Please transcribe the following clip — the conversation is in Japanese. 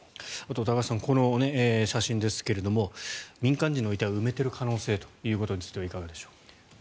高橋さん、この写真ですが民間人の遺体を埋めている可能性ということについてはいかがでしょうか。